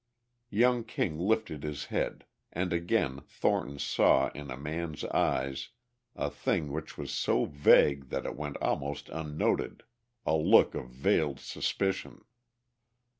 Young King lifted his head and again Thornton saw in a man's eyes a thing which was so vague that it went almost unnoted, a look of veiled suspicion.